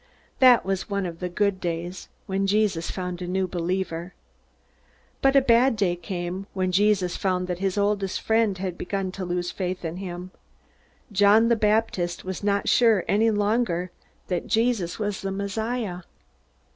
That was one of the good days, when Jesus found a new believer. But a bad day came, when Jesus found that his oldest friend had begun to lose faith in him. John the Baptist was not sure any longer that Jesus was the Messiah.